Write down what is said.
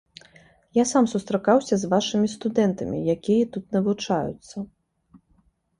Я сам сустракаўся з вашымі студэнтамі, якія тут навучаюцца.